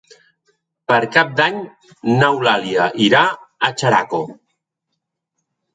Per Cap d'Any n'Eulàlia irà a Xeraco.